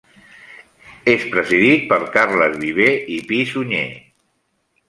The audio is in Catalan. És presidit per Carles Viver i Pi-Sunyer.